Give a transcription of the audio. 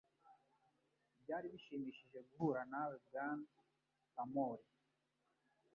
Byari bishimishije guhura nawe, Bwana Tamori.